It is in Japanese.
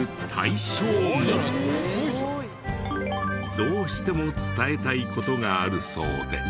どうしても伝えたい事があるそうで。